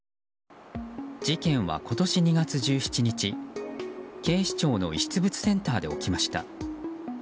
事件は今年２月１７日警視庁の遺失物センターで起きました。